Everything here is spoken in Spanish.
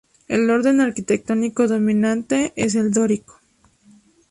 El orden arquitectónico dominante es el dórico.